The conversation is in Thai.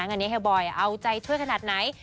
งานนี้เฮลบอยเอาใจช่วยขนาดไหน